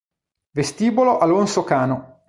Vestibolo Alonso Cano